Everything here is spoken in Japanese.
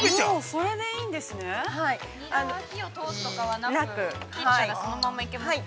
◆ニラは火を通すとかはなく切ったらそのままいけますね。